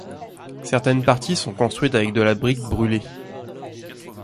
Certaines parties sont construites avec de la brique brûlée.